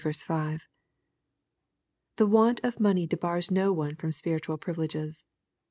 The want of money debars no one from spiritual privileges.